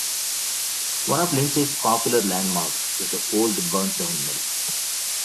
One of Lindsay's popular landmarks is the old burnt down mill.